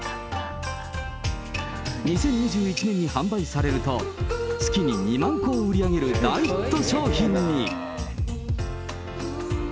２０２１年に販売されると、月に２万個を売り上げる大ヒット商品に。